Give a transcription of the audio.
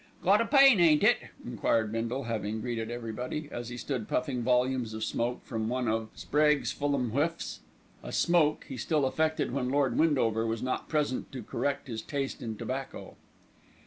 "Got a pain, ain't it?" enquired Bindle, having greeted everybody, as he stood puffing volumes of smoke from one of "Sprague's Fulham Whiffs," a "smoke" he still affected when Lord Windover was not present to correct his taste in tobacco.